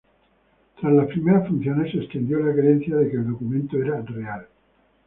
Tras las primeras funciones, se extendió la creencia de que el documental era real.